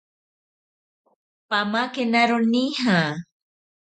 Pamakenaro nija.